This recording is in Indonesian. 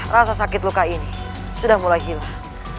rasa sakit luka ini sudah mulai hilang